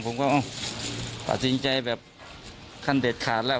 ผมก็ตัดสินใจแบบขั้นเด็ดขาดแล้ว